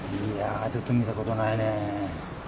いやちょっと見たことないね。